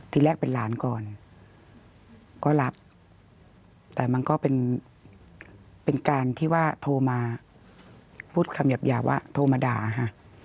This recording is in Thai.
ทีแรกเป็นหลานก่อนก็รับแต่มันก็เป็นการที่ว่าโทรมาพูดคำหยาบว่าโทรมาด่าค่ะ